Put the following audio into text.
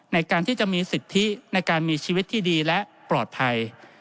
ในการที่จะมีสิทธิในการมีชีวิตที่ดีและปลอดภัย